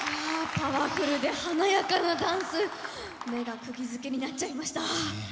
パワフルで華やかなダンス目がくぎづけになっちゃいました。